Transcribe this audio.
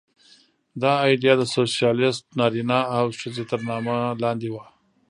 دا ایډیا د سوسیالېست نارینه او ښځه تر نامه لاندې وه